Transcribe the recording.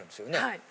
はい。